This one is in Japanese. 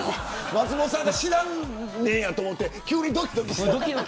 松本さんが知らんねんやと思って、急にどきどきしてきた。